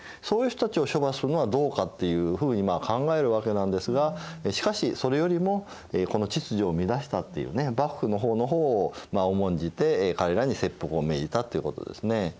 そういう人たちを処罰するのはどうかというふうに考えるわけなんですがしかしそれよりもこの秩序を乱したという幕府の法の方を重んじて彼らに切腹を命じたっていうことですね。